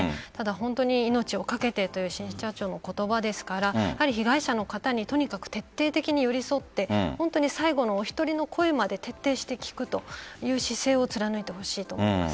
本当に命を懸けてという新社長の言葉ですから被害者の方にとにかく徹底的に寄り添って最後の１人の声まで徹底して聞くという姿勢を貫いてほしいと思います。